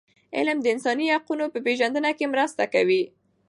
علم د انساني حقونو په پېژندنه کي مرسته کوي.